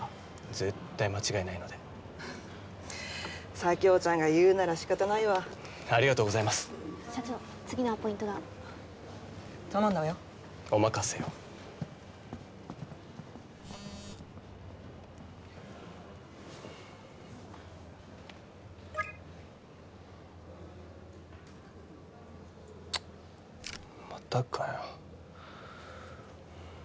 絶対間違いないので佐京ちゃんが言うならしかたないわありがとうございます社長次のアポイントが頼んだわよお任せをまたかよ